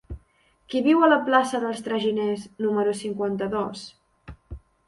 Qui viu a la plaça dels Traginers número cinquanta-dos?